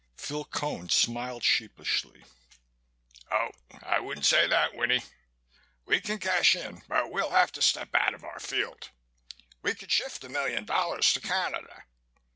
Phil Cone smiled sheepishly. "Oh, I wouldn't say that, Winnie. We can cash in but we'll have to step out of our field. We could shift a million dollars to Canada.